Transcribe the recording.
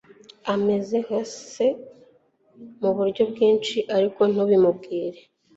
Ameze nka se - muburyo bwinshi, ariko ntumubwire.